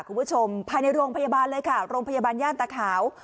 คุณผู้ชมภายในโรงพยาบาลเลยค่ะโรงพยาบาลย่านตาขาว